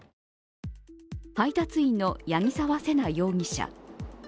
配達員の八木沢瀬名容疑者。